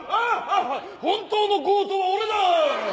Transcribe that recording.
本当の強盗は俺だ！」